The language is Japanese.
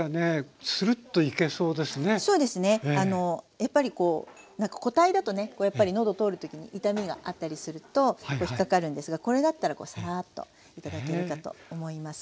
やっぱり固体だとね喉通る時に痛みがあったりすると引っ掛かるんですがこれだったらさらっと頂けるかと思います。